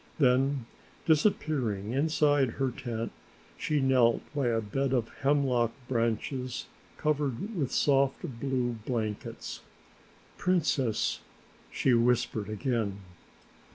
Then disappearing inside her tent, she knelt by a bed of hemlock branches covered with soft blue blankets. "Princess," she whispered again.